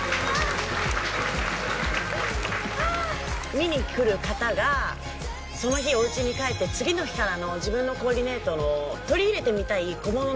見に来る方がその日お家に帰って次の日からの自分のコーディネートの取り入れてみたい小物の技とか小技の量で